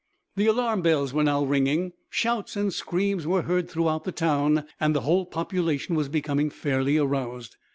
The alarm bells were now ringing, shouts and screams were heard through the town, and the whole population was becoming fairly aroused.